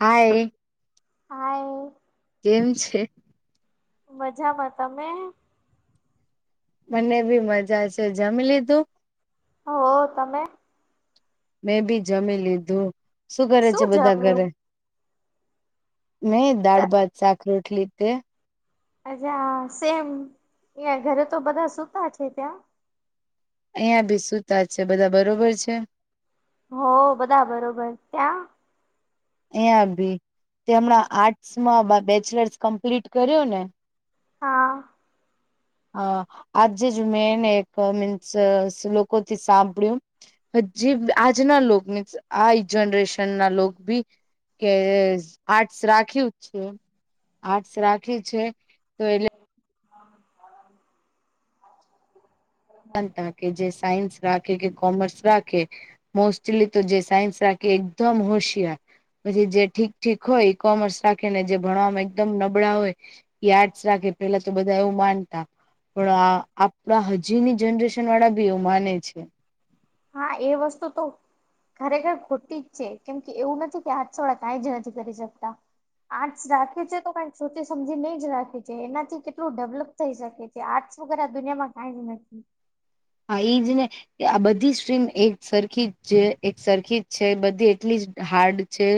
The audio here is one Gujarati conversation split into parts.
હાય હ કેમ છે મજામાં તમે મને બી મજા છે જમી લીધું. હો તમે મેં ભી જમી લીધું શું કરે છે બધા ઘરે મેહી દાળ ભાત શાક રોટલી તે અછા સેમ ઘરે તો બધા સૂતા છે ત્યાં અહિયાં બી સુતા છે બધા બરોબર છે હો અહિયાં બધા બરોબર ત્યાં અં ભી તે હમણાં આર્ટસ માં બેચલર્સ કમ્પ્લીટ કર્યું ને હા હ આજે જ મેંને એક મીન્સ લોકો થી સાંભળ્યું હજી આજના લો આ જનરેશન ના લો બી કે આર્ટસ રાખ્યું છે આર્ટસ રાખ્યું છે તો એટલે [inaudible] કે જે સાયન્સ રાખે કે કોમર્સ રાખે મોસ્ટલી તો જે સાયન્સ રાખે એકદમ હોશિયાર પછી જે ઠીક ઠીક હોય કોમર્સ રાખીને જે ભણવામાં એકદમ નબળા હોય ઈ આર્ટસ રાખે પેલા તો બધા એવું માનતા પણ આ આપણા હજીની જનરેશન વાળા બી એવું માને છે હા એ વસ્તુ તો ખરેખર ખોટી જ છે કેમ કે એવું નથી કે આર્ટસ વાળા કંઈ જ નથી કરી શકતા આર્ટસ રાખે છે તો કઈક સોચી સમજી ને જ રાખે છે એનાથી કેટલું ડેવલપ થઈ શકે છે આર્ટસ વગર આ દુનિયામાં કઈ જ નથી હા ઈજને કે આ બધી સ્ટ્રીમ એક સરખી જ છે એક સરખી જ છે બધી એટલી જ હાર્ડ છે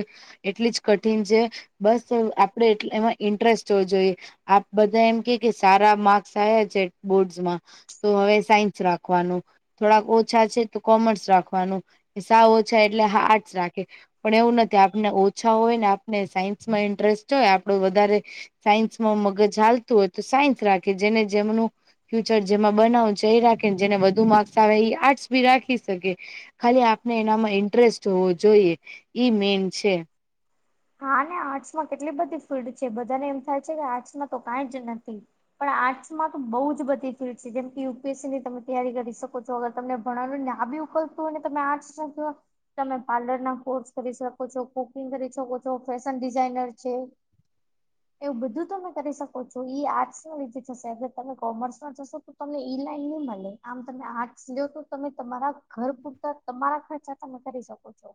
એટલી જ કઠિન છે બસ આપડે એમાં ઇન્ટરેસ્ટ હોવ જોઈએ આ બધા એમ કે કે સારા માર્ક્સ આવ્યા છે બોર્ડ્સ માં તો હવે સાયન્સ રાખવાનું થોડાક ઓછા છે તો કોમર્સ રાખવાનું સાવ ઓછા એટલે હારટસ રાખે પણ એવું નથી આપને ઓછા હોય ને ને સાયન્સ માં ઇન્ટરેસ્ટ હોય આપડો વધારે સાયન્સ માં મગજ હાલતું હોય તો સાયન્સ રાખે કે જેને જેમનું ફ્યુચર જેમાં બનાવુ છે એ રાખે કે જેને વધુ માર્ક્સ આવે એ આર્ટસ ભી રાખી શકે ખાલી આપને એનામાં ઇન્ટરેસ્ટ હોવો જોઈએ ઈ મેન છે હા ને આર્ટસમાં કેટલી બધી ફિલ્ડ છે બધાને એમ થાય છે કે આર્ટસમાં તો કઈ જ નથી પણ આર્ટસ માં બઉ જ બધી ફિલ્ડ છે જેમ કે યુપીએસસી ની તમે તૈયારી કરી શકો છો હવે તમને ભણાવ્યું ને આવ્યું કોઈ તમે આર્ટસ નું કયો તમે પાર્લર ના કોર્સ કરી શકો છો કુકિંગ કરી શકો તો ફેશન ડિઝાઈનર છે [inaudible] એવું બધું તમે કરી શકો છો ઈ આર્ટસ ના લીધે થ શેએટલે તમે કોમર્સમાં જશો તો તમને ઈ લાઈન નહી મળે આમ તમે આર્ટસ લ્યો તો તમે તમારા ઘર પુરતા તમારા ખર્ચા તમે કરી શકો છો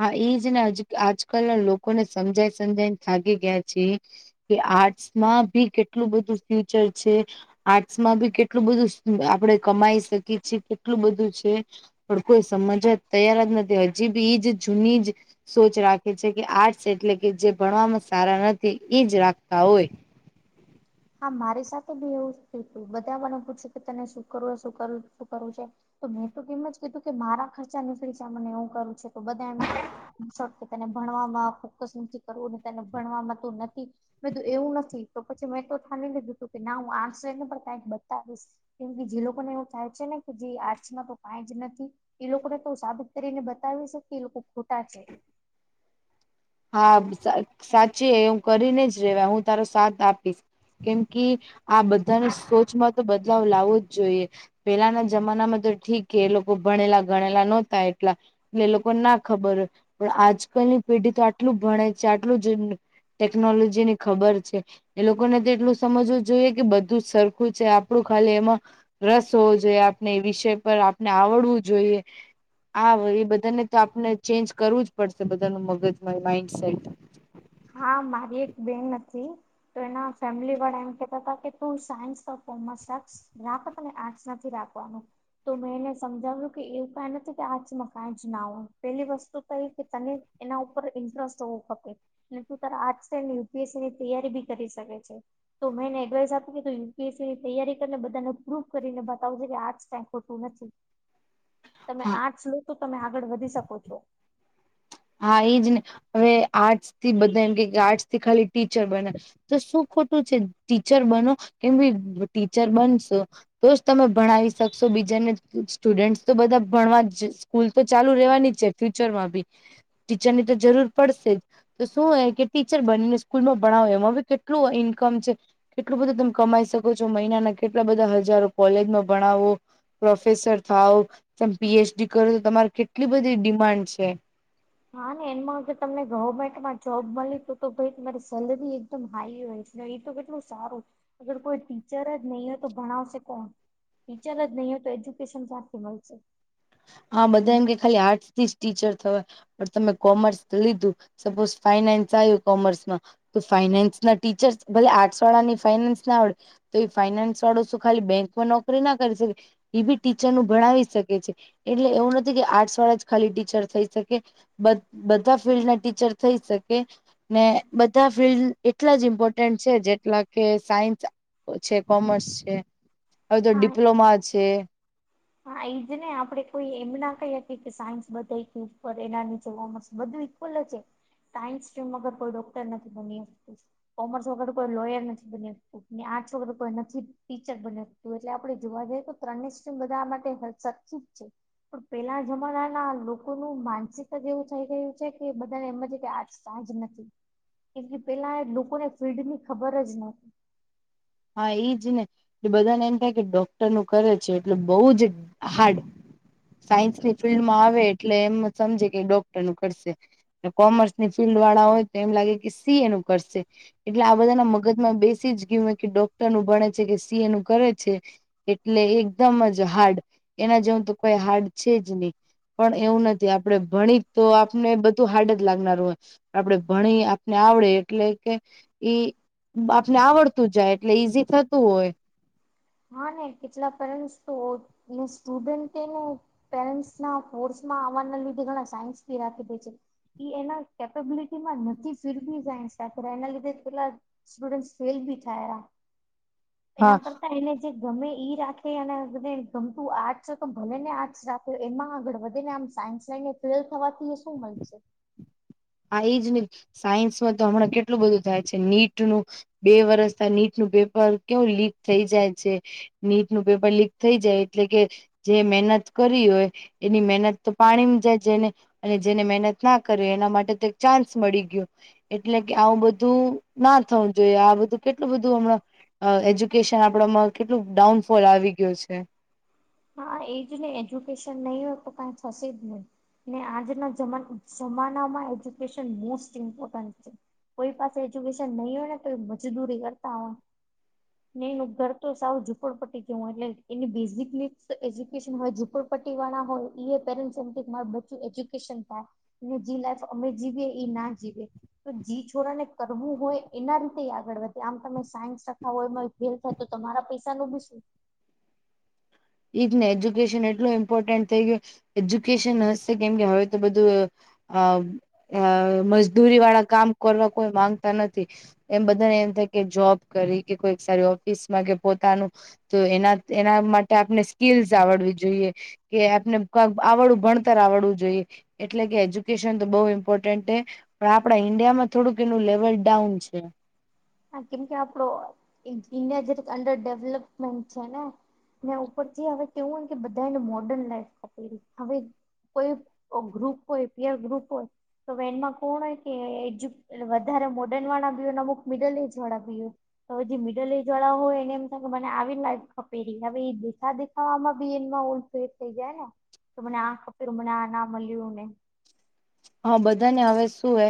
હા ઇ જ ને આજકાલના લોકોને સમજાય સમજાયને થાકી ગયા છે કે આર્ટસ માં ભી કેટલું બધું ફ્યુચર છે આર્ટ્સમાં બી કેટલું બધું આપડે કમાઈ શકીએ છીએ કેટલું બધું છે પણ કોઈ સમજવા તૈયાર જ નથી હજી બી એજ જૂની જ સોચ રાખે છે કે આ એટલે કે જે ભણવામાં સારા નથી ઈજ રાખતા હોય હા મારી સાથે બી એવું જ થયું તું બધા મને પૂછ્યું કે તને શું કરવું શું કરવું શું કરવું છે તો મેં તો એમ જ કીધું કે મારા ખર્ચા નીકળી જાય મને એવું કરું છે તો બધા ઈનશોટ કે તને ભણવામાં ફોક્કસ નથી કરવું તને ભણવામાં તો નથી મે કીધું એવું નથી તો પછી મેં તો થાની લીધું તું કે ના હું આર્ટસ લય ને પણ કઈક બતાવીશ કેમ કે જે લોકોને એવું થાય છે ને કે જે આર્ટસ માં તો કઈ જ નથી એ લોકોને તો સાબિત કરીને બતાવી શ કે એ લોકો ખોટા છે હા સાચે એમ કરીને જ રેવા હું તારો સાથ આપીશ કેમ કી આ બધાની સોચમાં તો બદલાવ લાવવો જ જોઈએ પેલાના જમાનામાં તો ઠીક કે એ લોકો ભણેલા ગણેલા નહતા એટલા એટલે એ લોકોને ના ખબર હોય પણ આજકાલની પેઢી તો આ આટલું ભણે છે આટલું જ ટેકનોલોજી ની ખબર છે એ લોકોને તો એટલું સમજવું જોઈએ કે બધું જ સરખું છે આપડું ખાલી એમાં રસ હોવો જોઈએ આપને એ વિષય પર આપને આવડવું જોઈએ હા એ બધાને તો આપને ચેન્જ કરવું જ પડશે બધા નું મગજમાં માઈન્ડસેટ હા મારી એક બેન હતી તો એના ફેમિલી વાળા એમ કેતા હતા કે તું સાયન્સ તો કોમર્સ રાખ રાખો તને આર્ટસ નથી રાખવાનું તો મેં એને સમજાવ્યું કે એવું કઈ હતું કે આજમાં કં જ ના હો પેલી વસ્તુ તો એ કે તને એના ઉપર ઇન્ટરેસ્ટ હોવુંપે અને તું તારા આર્ટસન્ડ યુપીએસસી ની તૈયારી બી કરી શકે છે તો મેંને એડવાઈસ આપ્યું કે યુપીએસસી ની તૈય કરીને બધાને પ્રૂવ કરીને બતાવું છે કે આજ [unintelligible] નથી [inaudible] તમે હા આર્ટસ લો તો તમે આગળ વધી શકો છો હા એઈ જ ને હવે આર્ટ થી બધા એમ કે આર્ટસ થી ખાલી ટીચર બને તો શું ખોટું છે ટીચર બનો કે ટીચર બનશો તો જ તમે ભણાવી શકશો બીજાને સ્ટુડન્ટ તો બધા ભણવા સ્કૂલ તો ચાલુ રવાની છે ફ્યુચરમાં બી ટીચરની તો જરૂર પડશે જ તો શું હ કે ટીચર બનીને સ્કૂલમાં ભણાવો એમાં બી કેટલું ઈન્કમ છે કેટલું બધું તમે કમાઈ શકો છો મહિનાના કેટલા બધા હજારો કોલેજમાં ભણાવો પ્રોફેસર થાવ ત પીએચડી કરો તો તમારે કેટલી બધી ડિમાન્ડ છે હા ને એમાં તમને ગવર્મેન્ટમાં જોબ મળી તું તો ભાઈ તમારી સેલરી એકદમ હાઈ હોય છે એ તો કેટલું સારું અગર કોઈ ટીચર જ નહીં હોય તો ભણાવશે કોણ ટીચર જ નહી હોય તો એજ્યુકેશન સથી મળશે હા બધા એમ કે ખાલી આર્ટસ થી જ ટીચર થવાય પણ તમે કોમર્સ લીધું સપોઝ ફાઈનાન્સ આવ્યું કોમર્સમાં તો ફાઈનાન્સ ના ટીચર્સ ભલે આઠસ વાળા ની ફાઈનાન્સ ના આવડે તો એ ફાઈનાન્સ વાળો શું ખાલી બેંકમાં નોકરી ના કરી શકે એ બી ટીચર નું ભણાવી શકે છે એટલે એવું નથી કે આર્ટસ વાળા જ ખાલી ટીચર થઈ શકે બધા ફિલ્ડના ટીચર થઈ શકે ને બધા બધા ફિલ્ડ એટલા જ ઇમ્પોર્ટન્ટ છે જેટલા કે સાયન્સ છે કોમર્સ છે હવે તો હા ડિપ્લોમા છે હા એ જ ને આપડે કોઈ એમ ના કહી કે કે સાયન્સ બધા કયુ ઉપર એના નીચે કોમર્સ બધવી લ સાન્સ્રીમ વગર કોઈ ડોક્ટર નથી બની કોમર્સ વગર તો કોઈ લોયર નથી બન આર્ટસ વગર કોઈ નથી ટીચર બને એટલે આપણેે જોવા જઈએ તો ત્રણેને સ્ટ્રીમ બધા આ માટે સરખી જ છે પેલા જમાનાના લોકોનું માનસિકતા જે એવુ થય ગયું છે કે બધાને એમ જ કે આર્ટ ચાર્જ નથી કેમ કે પેલા લોકોને ફિલ્ડની ખબર જ નથી હા એ જ ને એટ બધા ને એમ થાય કે ડો નું કરે છે એટલે બહુ જ હાર્ડ સાયન્સની ફિલ્ડ માં આવે એટલે એમ સમજે કે ડોક્ટર નું કરશે કોમર્સ ની ફિલ્ડ વાળા હોય એમ લાગે કે સી એનું કરશે એટલે આ બધા ના મગજ માં બેસીજ ગ કે ડોક્ટર નું ભણે છે કે સી એ નું કરે છે એટલે એકદમ જ હાર્ડ એના જવું તો કોઈ હાર્ડ છે જ નહી પણ એવું નથી આપડણે ભણી તો આપને બધું હાર્ડ જ લાગનારું હોય આપડે ભણી આપને આવડે એટલે કે ઈ આપને આવડત તું જાય, એટલે ઈઝી થતું હોય, હા, ને કેટલા પેરન્ટસ તો, ન્યૂ સ્ટુડન્ટ એનું પેરેન્ટસના ફોર્સમાં આવવાના લીધે ઘણા સાયન્સ ભી રાખી દે છે. ઈ એના કેપેબિલિટીમાં નથી ફીરવી સાયન્સ રાખે રે, એના લીધે પેલા સ્ટુડન્ટ્સ ફેલ ભી થાય આ, હા એના કરતા એને ગમે ઈ રાખે અને પછી ગમતું આર્ટસ છે તો ભલે ને આર્ટસ રાખે, ને એમાં આગળ વધેને આમ સાયન્સ ને ફેલ થવાથી એને સુ મલશે? આ એજ ને, સાયન્સમાં તો હમણાં કેટલું બધું થાય છે, નીટ નું બે વરસ થયા નીટનું પેપર કેવું લીક થઈ જાય છે, નીટ નું પેપર લીક થઈ જાય એટલે કે જે મહેનત કરી હોય, એની મહેનત તો પાણીમ જાય જેને, અને જેને મહેનત ના કરે એના માટે એક ચાન્સ મળી ગયો. એટલે કે આવું બધું ના થવું જોઈએ, આ બધું કેટલું બધું હમણાં, અ એજ્યુકેશન આપડામાં કેટલું ડાઉનફોલ આવી ગયું છે! હા એજ ને, એજ્યુકેશન નહીં હોય તો કઈ થસે જ નહી. ને આજના જમાન ઝમાનામાં, એજ્યુકેશન મોસ્ટ ઇમ્પોર્ટન્ટ છે. કોઈ પાસે એજ્યુકેશન નહીં હોય ને તો મજદૂરી કરતા હોય. નઈ ન ઘર તો સવું ઝુપડપટી જેવું, એટલે એની બિઝિક નીડ્સ એજ્યુકેશન હોય, ઝુપડપટ્ટીવાળા હોય, પેરેન્ટસ એમ કેક મારું બચ્ચું એજ્યુકેશન થાય. જી લાઈફ અમે જીવી, એ એ ના જીવે. તો જી છોરાને કરવું હોય, એના રીતે આગળ વધે આમ તમે સાયન્સ રખાવો એમા ફેલ થાય તો તમારા પૈસાનું બી સુ? એ જ ને, એજ્યુકેશન એટલું ઇમ્પોર્ટન્ટ થઈ ગયું, એજ્યુકેશન હસે કેમ કે હવે તો બધું અ અ મજદૂરી વાળા કામ કરવા કોઈ માંગતા નથી, એમ બધાને એમ થાય કે જોબ કરવી કે કોઈ સારી ઓફિસમાં કે પોતાનું, તો એના એના માટે આપને સ્કીલ્સ આવડવી જોઈએ કે આપને કાંક આવડવ, ભણતર આવડવું જોઈએ. એટલે કે એજ્યુકેશન તો બહુ ઇમ્પોર્ટન્ટ હે. પણ આપડા ઈન્ડિયામાં થોડુંક એનું લેવલ ડાઉન છે. હા, કેમ કે આપડો, ઈ, ઇન્ડિયા જ અંડર ડેવલપમેન્ટ છે ને! ઉપરથી હવે કેવું હોય કે બધાને મોડર્ન લાઈફ ખપેરી હવે ધ કોઈ અ ગ્રુપ હોય, પીઅર ગ્રુપ હોય, તો વેનમાં કોણ હોય કે એજયુ એટલે વધારે મોડર્નવાળા બી હોય ને અમુક મિડલ એજ વાળા બી હોય હવે જે મિડલ એજ વાળા હોય એને એમ થાય મને આવી લાઇફ ખપેરી, હવે એ દેખા દેખાવામાં બી એનમાં ઓ ફેર થઈ જાય ને! તો મને આ ખપેરો, મને આ ના મલ્યો ને હા, બધાને હવે સુ હે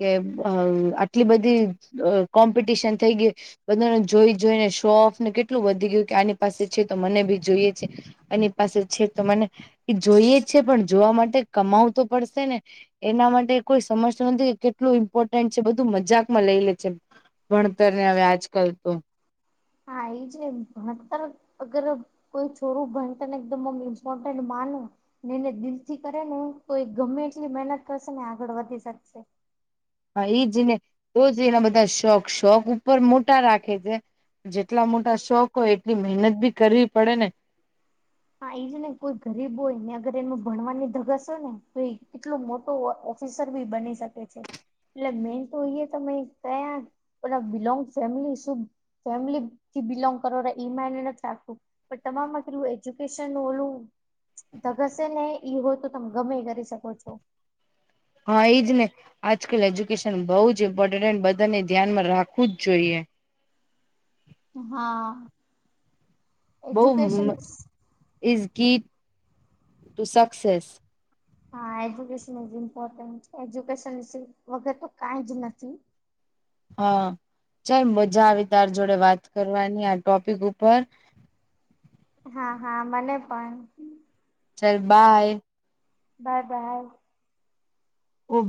કે અમ આટલી બધી અ કોમ્પિટિશન થઈ ગઈ બધાને જોઈ જોઈને શો ઑફ કેટલું વધી ગયું, કે આની પાસે છે તો મને ભી જોઈએ છે, એની પાસે છે તો મને, એ જોઈએ જ છે, પણ જોવા માટે કમાવુ તો પડસે ને? એના માટે કોઈ સમજતુ નથી કે ટલું ઇમ્પોર્ટન્ટ છે, બધું મજાકમાં લઈ લે છે, ભણતરને હવે આજકાલ તો, હા, ઈ છે, હસ્તાનું અગર હું, કોઈ છોરું ભણતરને આમ એકદમ ઇમ્પોર્ટન્ટ માનું એને દિલથી કરે ને, તો એ ગમે એટલી મહેનત કરસે ને આગળ વધી સકસે. હા ઈ જ ને! તો જ એના બધા શોખ, શોખ ઉપર મોટા રાખે છે. જેટલા મોટા શોખ હોય એટલી મહેનત ભી કરવી પડે ને? હા ઈ જ ને, કોઈ ગરીબ હોયને અગર એનું ભણવાની ધગસ હોય ને તો એ કેટલો મોટો [inaudible] સર બી બની શકે છે એટલે મેન તો ઈ એ તમે કયા પણ બિલોંગ ફેમલી શું, ફેમિલીથી બિલોંગ કરોરા ઈ માયને નથી રાખતું, પણ તમામમાં પેલુ એજ્યુકેશન, ઓલું ધગસ હે ને, ઈ હોય તો તમે ગમે ઈ કરી સકો છો. હા એજ ને આજકાલ એજ્યુકેશન બહુ જ ઇમ્પોર્ટન્ટ બધાને ધ્યાનમાં રાખવું જ જોઈએ. હા બહઉ એજ્યુકેશન ઇઝ ઇઝગીટ ટુ સક્સેસ હા એજ્યુકેશન ઇ ઇમ્પોર્ટન્ટ, એજ્યુકેશન વગર તો કઈ જ નથી. હા ચાલ મજા આવે તાર જોડે વાત કરવાની આ ટોપિક ઉપર હા હા મને પણ ચલ બાય. બાય બાય ઓ